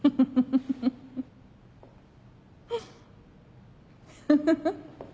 フフフフッ。